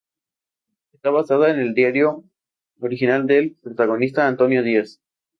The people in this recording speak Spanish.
Está basada en el diario original del protagonista, Antonio Díaz.